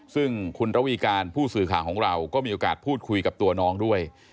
ซึ่งคุณระวีการผู้สื่อข่าวของเราก็มีโอกาสพูดคุยกับตัวน้องด้วย